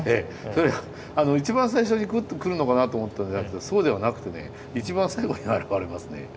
一番最初にグッとくるのかなと思ったらそうではなくてね一番最後に現れますね。